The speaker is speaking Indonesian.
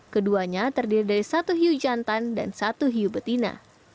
keduanya terdiri dari satu hiu jantan dan satu hiu betina